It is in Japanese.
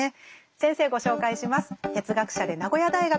先生ご紹介します。